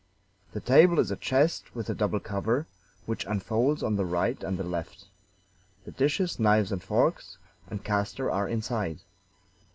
The table is a chest with a double cover, which unfolds on the right and the left; the dishes, knives and forks, and caster are inside.